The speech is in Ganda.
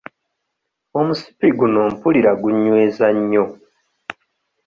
Omusipi guno mpulira gunnyweza nnyo.